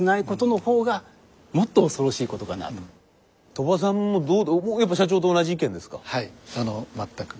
鳥羽さんもやっぱ社長と同じ意見ですか？